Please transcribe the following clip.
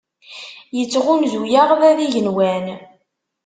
Yettɣunzu-aɣ Bab n yigenwan.